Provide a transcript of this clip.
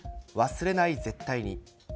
忘れない、絶対に。